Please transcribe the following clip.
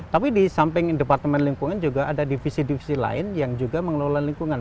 tapi di samping departemen lingkungan juga ada divisi divisi lain yang juga mengelola lingkungan